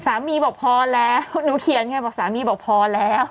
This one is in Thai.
บอกพอแล้วหนูเขียนไงบอกสามีบอกพอแล้ว